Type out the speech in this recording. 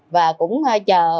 và cũng chờ